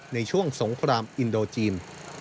ในช่วงสงครามอินโดจีน